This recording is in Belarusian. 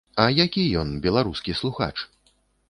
А які ён, беларускі слухач?